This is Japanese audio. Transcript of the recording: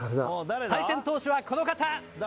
対戦投手はこの方。